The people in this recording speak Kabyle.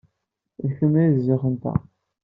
D kemm ay d zzux-nteɣ.